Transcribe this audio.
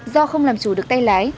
do không làm chủ được tay lái